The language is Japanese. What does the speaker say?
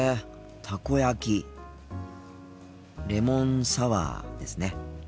たこ焼きレモンサワーですね。